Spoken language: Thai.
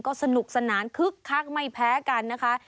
ก็สนุกสนานคึกคักไม่แพ้กันนะคะ